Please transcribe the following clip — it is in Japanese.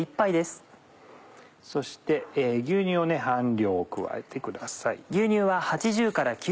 そして牛乳を半量加えてください。